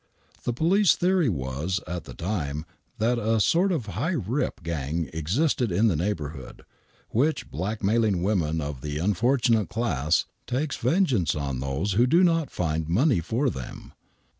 The police theory was at that time that a sort of " high rip " gang existed in the neighborhood, which, blackmailing women of the " unfortunate " class, takes vengeance on those who do not fird money for them.